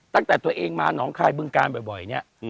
ตั้งแต่ตัวเองมาหนองคายบึงการบ่อยเนี่ย